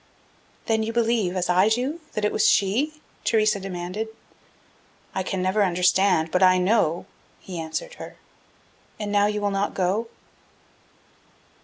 "Then you believe, as I do, that it was she?" Theresa demanded. "I can never understand, but I know," he answered her. "And now you will not go?"